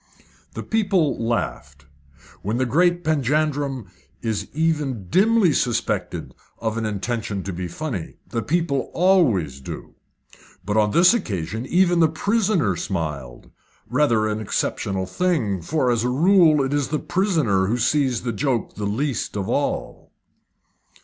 The people laughed. When the great Panjandrum is even dimly suspected of an intention to be funny, the people always do. But on this occasion even the prisoner smiled rather an exceptional thing, for as a rule it is the prisoner who sees the joke the least of all.